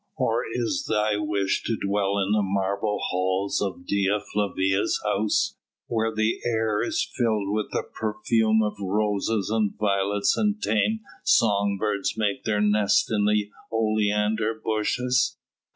Or is thy wish to dwell in the marble halls of Dea Flavia's house, where the air is filled with the perfume of roses and violets and tame songbirds make their nests in the oleander bushes?